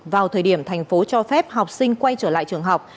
vào thời điểm thành phố cho phép học sinh quay trở lại trường học